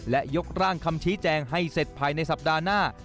และยกร่างคำชี้แจงให้เสร็จภายในสัปดาห์หน้า